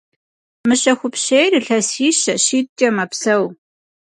Мыщэхупщейр илъэсищэ – щитӏкӏэ мэпсэу.